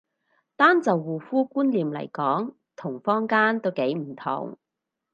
單就護膚觀念嚟講同坊間都幾唔同